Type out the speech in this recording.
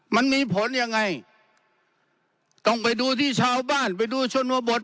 มันมีผลยังไงต้องไปดูที่ชาวบ้านไปดูชนบท